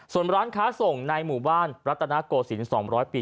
ส่วนร้านค้าส่งในหมู่บ้านรัตนโกศิลป์๒๐๐ปี